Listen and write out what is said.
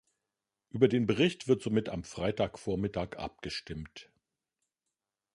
Über den Bericht wird somit am Freitag vormittag abgestimmt.